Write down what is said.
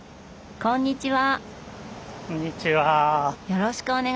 こんにちは。